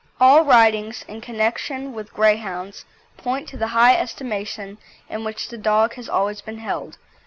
All writings in connection with Greyhounds point to the high estimation in which the dog has always been held.